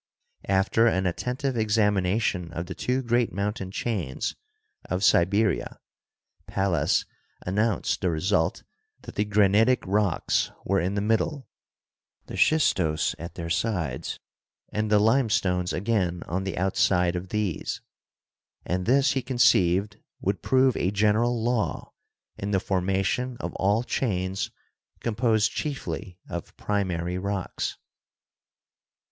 After an attentive examination of the two great mountain chains of Siberia, Pallas an nounced the result that the granitic rocks were in the mid dle, the schistose at their sides and the limestones again on the outside of these ; and this he conceived would prove a general law in the formation of all chains composed chiefly of primary rocks.